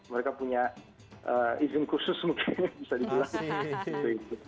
mereka punya izin khusus mungkin bisa dibilang